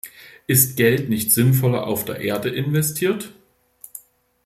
Ist Geld nicht sinnvoller auf der Erde investiert?